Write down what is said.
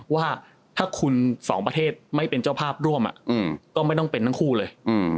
ว่าถ้าคุณสองประเทศไม่เป็นเจ้าภาพร่วมก็ไม่ต้องเป็นทั้งคู่เลย